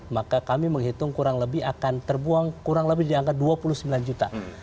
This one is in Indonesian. maka kami menghitung kurang lebih akan terbuang kurang lebih di angka dua puluh sembilan juta